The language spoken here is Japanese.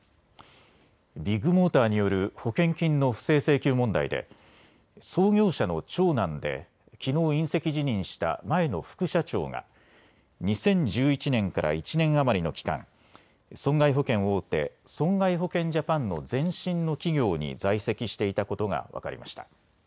ビッグモーターによる保険金の不正請求問題で創業者の長男できのう引責辞任した前の副社長が２０１１年から１年余りの期間、損害保険大手、損害保険ジャパンの前身の企業に在籍していたことが分かりました。